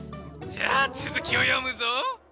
じゃあつづきをよむぞ。